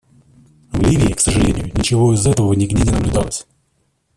В Ливии, к сожалению, ничего из этого нигде не наблюдалось.